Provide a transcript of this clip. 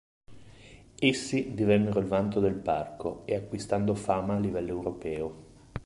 Essi divennero il vanto del parco e acquistando fama a livello europeo.